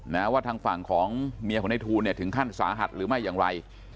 นะว่าทางฝั่งของเมียของในทูลเนี่ยถึงขั้นสาหัสหรือไม่อย่างไร